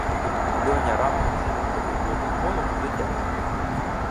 Льоня раптом швидко підводить голову до дядька.